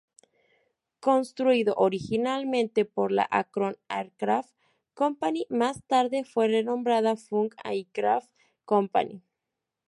Construido originalmente por la Akron Aircraft Company, más tarde fue renombrada Funk Aircraft Company.